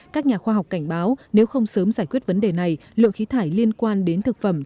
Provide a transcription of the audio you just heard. các nhà khoa học cảnh báo nếu không sớm giải quyết vấn đề này lượng khí thải liên quan đến thực phẩm